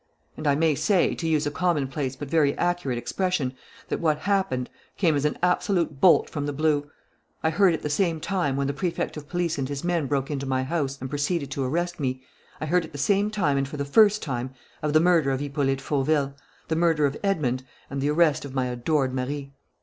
And, I may say, to use a commonplace but very accurate expression, that what happened came as an absolute bolt from the blue. I heard at the same time, when the Prefect of Police and his men broke into my house and proceeded to arrest me, I heard at the same time and for the first time of the murder of Hippolyte Fauville, the murder of Edmond, and the arrest of my adored Marie."